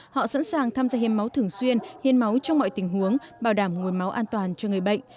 họ sẵn sàng tham gia hiến máu thường xuyên hiến máu trong mọi tình huống bảo đảm nguồn máu an toàn cho người bệnh